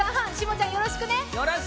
ちゃんよろしくね。